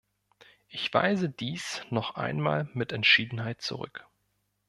Ich weise dies noch einmal mit Entschiedenheit zurück.